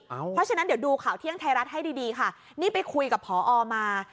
เพราะฉะนั้นเดี๋ยวดูข่าวเที่ยงไทยรัฐให้ดีดีค่ะนี่ไปคุยกับพอมา